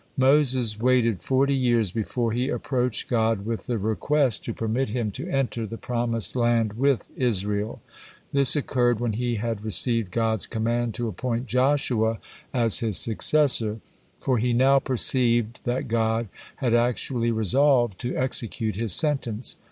Moses waited forty years before he approached God with the request to permit him to enter the promised land with Israel. This occurred when he had received God's command to appoint Joshua as his successor, for he now perceived that God had actually resolved to execute His sentence.